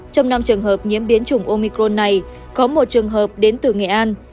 trong năm trường hợp nhiễm biến chủng omicron này có một trường hợp đến từ nghệ an